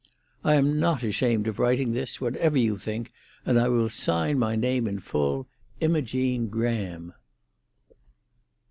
"I am not ashamed of writing this, whatever you think, and I will sign my name in full. IMOGENE GRAHAM."